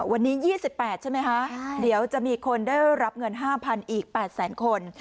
วันนี้๒๘ใช่ไหมคะเดี๋ยวจะมีคนได้รับเงิน๕๐๐๐อีก๘แสนคน